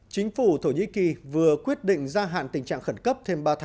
chính phủ thổ nhĩ kỳ vừa quyết định gia hạn tình trạng khẩn cấp